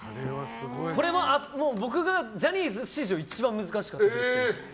これも僕がジャニーズ史上一番難しかったです。